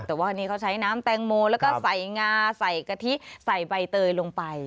แต่ว่านี่เขาใช้น้ำแตงโมแล้วก็ใส่งาใส่กะทิใส่ใบเตยลงไป